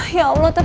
tidak ada apa apa